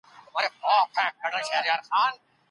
د خاوند او ميرمني مزاج، پلانونه او اهداف بايد سره ټکر نه وي.